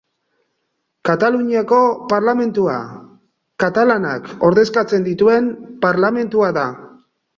Kataluniako Parlamentua: Katalanak ordezkatzen dituen parlamentua da.